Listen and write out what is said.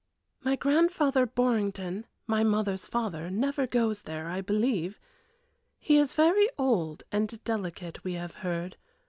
"My Grandfather Borringdon, my mother's father, never goes there, I believe; he is very old and delicate, we have heard.